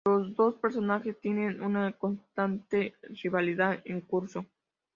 Los dos personajes tienen una constante rivalidad en curso.